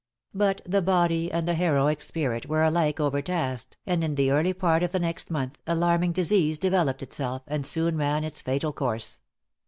But the body and the heroic spirit were alike overtasked, and in the early part of the next month, alarming disease developed itself, and soon ran its fatal course.